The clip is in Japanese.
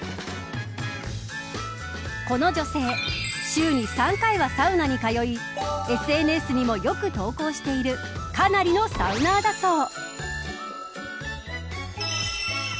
この女性、週に３回はサウナに通いＳＮＳにもよく投稿しているかなりのサウナーだそう。